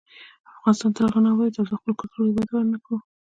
افغانستان تر هغو نه ابادیږي، ترڅو خپل کلتور ته وده ورنکړو.